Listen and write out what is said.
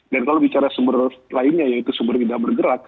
dan kalau bicara sumber lainnya yaitu sumber tidak bergerak